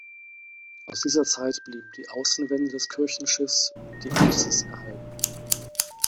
Aus dieser Zeit blieben die Außenwände des Kirchenschiffs und die Apsis erhalten.